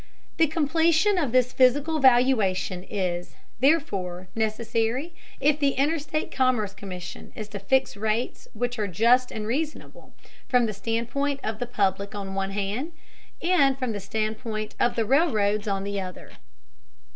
The completion of this physical valuation is, therefore, necessary if the Interstate Commerce Commission is to fix rates which are just and reasonable from the standpoint of the public on the one hand, and from the standpoint of the railroads on the other.